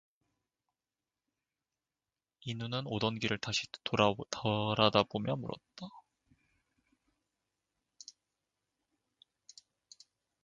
인우는 오던 길을 다시 돌아다보며 물었다.